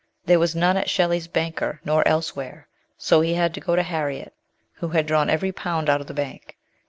There was none at Shelley's banker, nor elsewhere, so he had to go to Harriet, who had drawn every pound out of the bank.